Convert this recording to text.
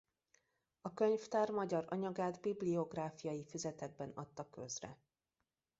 A könyvtár magyar anyagát bibliográfiai füzetekben adta közre.